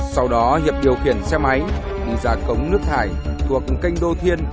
sau đó hiệp điều khiển xe máy đi ra cống nước thải thuộc kênh đô thiên